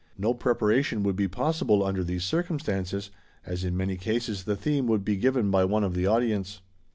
No preparation would be possible under these circumstances, as in many cases the theme would be given by one of the audience.